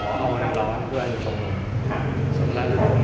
ไม่มีทางที่หรอ